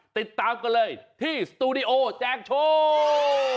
ติดตามกันเลยที่สตูดิโอแจกโชค